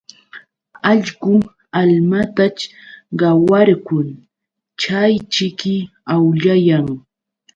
Allqu almataćh qawarqun chayćhiki awllayan.